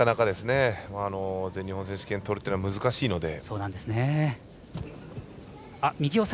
全日本選手権とるのは難しいので。